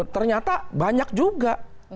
ternyata banyak juga